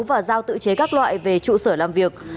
và giao tự chế các loại về trụ sở làm việc